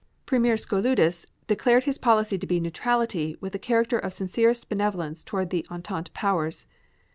Premier Skouloudis declared his policy to be neutrality with the character of sincerest benevolence toward the Entente Powers.